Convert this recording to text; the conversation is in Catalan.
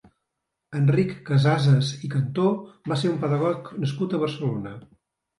Enric Casassas i Cantó va ser un pedagog nascut a Barcelona.